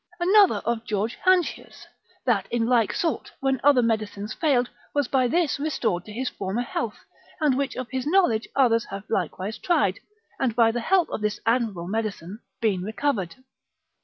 Another of George Handshius, that in like sort, when other medicines failed, was by this restored to his former health, and which of his knowledge others have likewise tried, and by the help of this admirable medicine, been recovered.